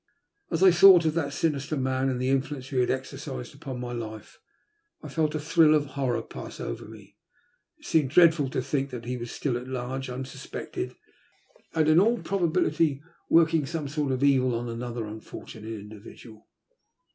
As I thought of that sinister man and the influence he had exercised upon my life, I felt a thrill of horror pass over me. It seemed dreadful to think that he was still at large, unsuspected, and in all pro bability working some sort of evil on another unfortu nate individual.